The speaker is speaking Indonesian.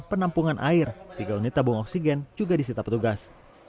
penampungan air tiga unit tabung oksigen juga disita petugas